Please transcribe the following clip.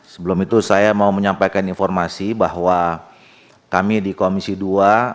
sebelum itu saya mau menyampaikan informasi bahwa kami di komisi dua